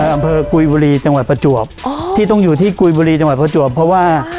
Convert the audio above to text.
อำเภอกุยบุรีจังหวัดประจวบอ๋อที่ต้องอยู่ที่กุยบุรีจังหวัดประจวบเพราะว่า